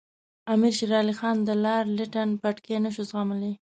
امیر شېر علي خان د لارډ لیټن پټکې نه شو زغملای.